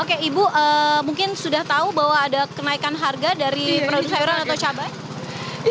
oke ibu mungkin sudah tahu bahwa ada kenaikan harga dari produk sayuran atau cabai